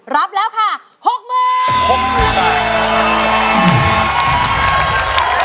รับแล้วค่ะ๖๐๐๐บาท